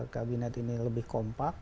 kabinet ini lebih kompak